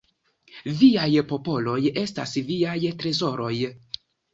Viaj popoloj estas viaj trezoroj.